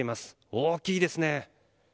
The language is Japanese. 大きいですね。